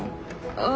ああ。